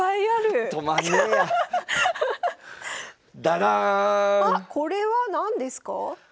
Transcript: あっこれは何ですか？